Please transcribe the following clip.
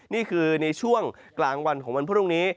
นี่คือในช่วงกลางวันของวันพรุ่งนี้